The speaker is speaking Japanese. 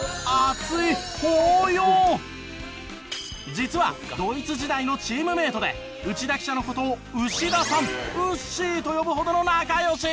実はドイツ時代のチームメートで内田記者の事を「ウシダさん」「ウッシー」と呼ぶほどの仲良し。